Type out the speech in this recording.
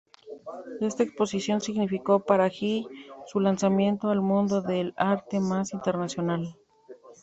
Esta exposición significó para Gill su lanzamiento al mundo del Arte más internacional.